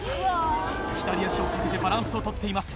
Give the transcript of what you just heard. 左足をかけてバランスを取っています。